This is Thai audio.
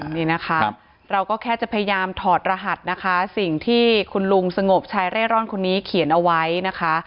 นี่นะคะเราก็แค่จะพยายามถอดรหัสนะคะสิ่งที่คุณลุงสงบชายเร่ร่อนคนนี้เขียนเอาไว้นะคะ